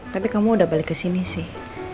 tapi kamu udah balik kesini sih